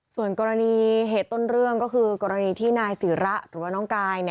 ส่วนกรณีเหตุต้นเรื่องก็คือกรณีที่นายศิระหรือว่าน้องกาย